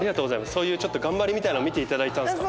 そういう頑張りみたいなのを見て頂いたんですか？